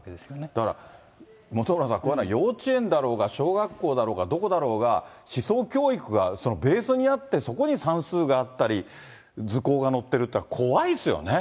だから本村さん、こういうのは幼稚園だろうが、小学校だろうが、どこだろうが、思想教育がベースにあって、そこに算数があったり、図工が載ってるって、怖いですよね。